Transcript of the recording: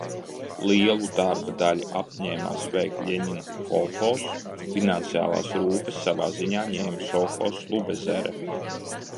"Lielu darba daļu apņēmās veikt Ļeņina kolhozs, finansiālās rūpes savā ziņā ņēma sovhozs "Lubezere"."